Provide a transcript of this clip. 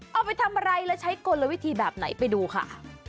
เอาไปทำอะไรแล้วใช้กลวิธีแบบไหนไปดูค่ะ